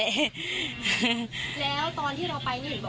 แล้วตอนที่เราไปมีบอกว่าหลังคา